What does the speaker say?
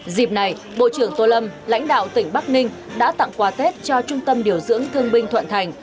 dịp này bộ trưởng tô lâm lãnh đạo tỉnh bắc ninh đã tặng quà tết cho trung tâm điều dưỡng thương binh thuận thành